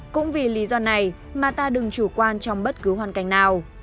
cũng vì lý do này mà ta đừng chủ quan trong bất cứ hoàn cảnh nào